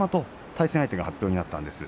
対戦相手が発表になりました。